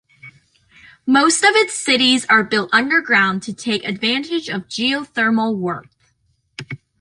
Most of its cities are built underground to take advantage of geothermal warmth.